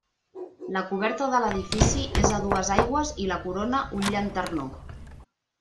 La coberta de l'edifici és a dues aigües i la corona un llanternó.